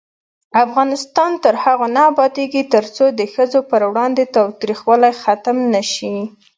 افغانستان تر هغو نه ابادیږي، ترڅو د ښځو پر وړاندې تاوتریخوالی ختم نشي.